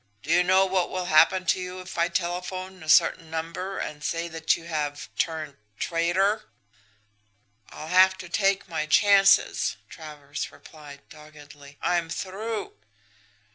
'Do you know what will happen to you if I telephone a certain number and say that you have turned traitor?' "'I'll have to take my chances,' Travers replied doggedly. 'I'm through!'